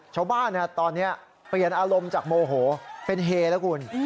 ชาวบ้านตอนนี้เปลี่ยนอารมณ์จากโมโหเป็นเฮแล้วคุณ